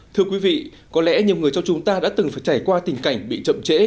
thưa quý vị có lẽ nhiều người trong chúng ta đã từng phải trải qua tình cảnh bị chậm trễ